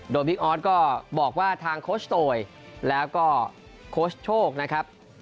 โดยบิ๊กออสก็บอกว่าทางโคชโตยแล้วก็โค้ชโชคนะครับ